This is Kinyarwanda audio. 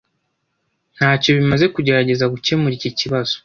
Ntacyo bimaze kugerageza gukemura iki kibazo.